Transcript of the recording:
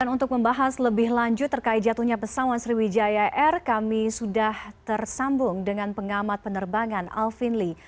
dan untuk membahas lebih lanjut terkait jatuhnya pesawat sriwijaya air kami sudah tersambung dengan pengamat penerbangan alvin lee